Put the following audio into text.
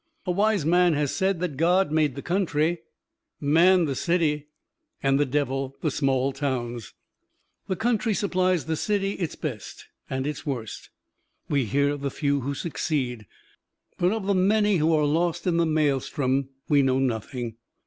A wise man has said that God made the country, man the city, and the devil the small towns. The country supplies the city its best and its worst. We hear of the few who succeed, but of the many who are lost in the maelstrom we know nothing.